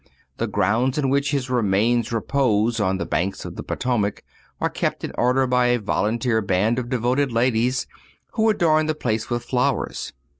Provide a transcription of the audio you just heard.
The grounds in which his remains repose on the banks of the Potomac are kept in order by a volunteer band of devoted ladies, who adorn the place with flowers.